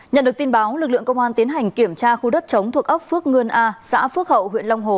nhận được tin báo lực lượng công an tiến hành kiểm tra khu đất chống thuộc ốc phước ngân a xã phước hậu huyện long hồ